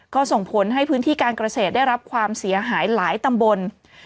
ก็ส่งผลให้พื้นที่การเกษตรได้รับความเสียหายหลายตำบล